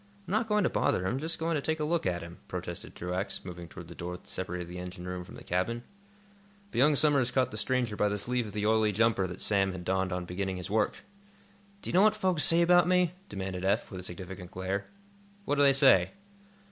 "I'm not going to bother him; just going to take a look at him," protested Truax, moving toward the door that separated the engine room from the cabin. But young Somers caught the stranger by the sleeve of the oily jumper that Sam had donned on beginning his work. "Do you know what folks say about me?" demanded Eph, with a significant glare. "What do they say?"